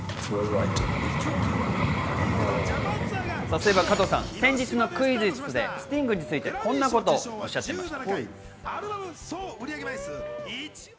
そして加藤さん、先日のクイズッスでスティングについて、こんなことをおっしゃっていました。